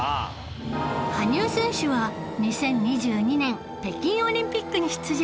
羽生選手は２０２２年北京オリンピックに出場